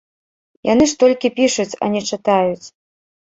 Яны ж толькі пішуць, а не чытаюць.